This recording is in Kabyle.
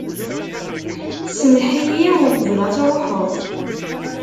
Semmeḥ-iyi uqbel ad truḥeḍ.